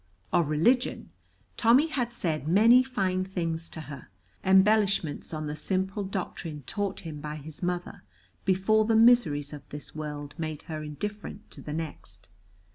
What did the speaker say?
Of religion, Tommy had said many fine things to her, embellishments on the simple doctrine taught him by his mother before the miseries of this world made her indifferent to the next.